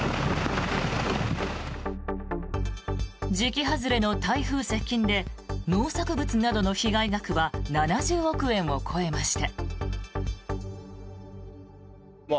時季外れの台風接近で農作物などの被害額は７０億円を超えました。